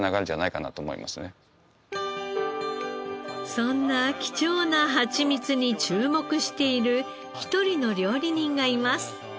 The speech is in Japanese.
そんな貴重なハチミツに注目している一人の料理人がいます。